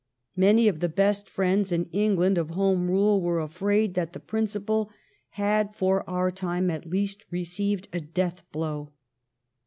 Many of the best friends in England of Home Rule were afraid that the principle had, for our time at least, received a death blow.